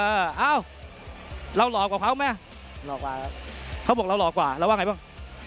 เอ้าเราหล่อกว่าเขาไหมหล่อกว่าครับเขาบอกเราหล่อกว่าเราว่าไงบ้าง